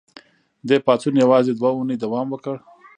دې پاڅون یوازې دوه اونۍ دوام وکړ.